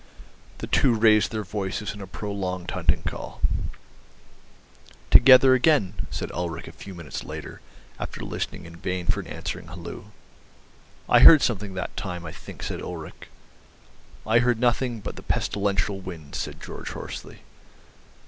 The two raised their voices in a prolonged hunting call. "Together again," said Ulrich a few minutes later, after listening in vain for an answering halloo. "I heard nothing but the pestilential wind," said Georg hoarsely.